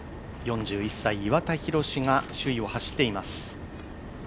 ４１歳、岩田寛が首位を走っています